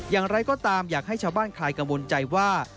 อย่างไรก็ตามอยากให้ชาวบ้านคลายกังวลใจว่า